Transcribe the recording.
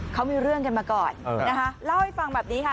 เขามีเรื่องกันมาก่อนนะคะเล่าให้ฟังแบบนี้ค่ะ